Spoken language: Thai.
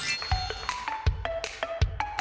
จริง